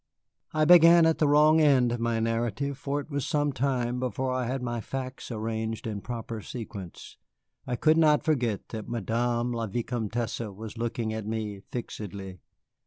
I began at the wrong end of my narrative, and it was some time before I had my facts arranged in proper sequence. I could not forget that Madame la Vicomtesse was looking at me fixedly.